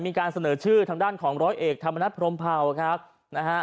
มีการเสนอชื่อทางด้านของร้อยเอกธรรมนัฐพรมเผาครับนะฮะ